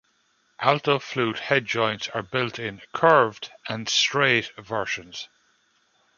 Alto flute headjoints are built in 'curved' and 'straight' versions.